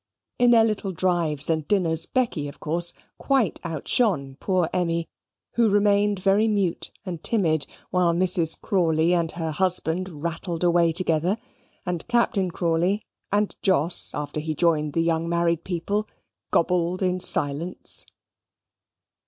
In their little drives and dinners, Becky, of course, quite outshone poor Emmy, who remained very mute and timid while Mrs. Crawley and her husband rattled away together, and Captain Crawley (and Jos after he joined the young married people) gobbled in silence.